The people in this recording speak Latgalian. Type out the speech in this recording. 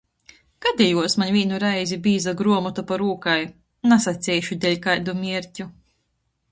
Gadejuos maņ vīnu reizi bīza gruomota pa rūkai, nasaceišu, deļ kaidu mierķu.